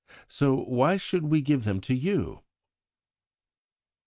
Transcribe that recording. So why should we give them to you?'"